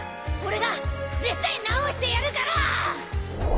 俺が絶対治してやるから！